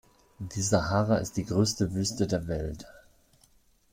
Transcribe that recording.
Die Sahara ist die größte Wüste der Welt.